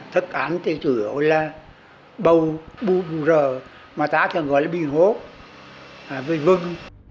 thức ánh thì chủ yếu là bầu bụng rờ mà ta thường gọi là bình hốt vây vưng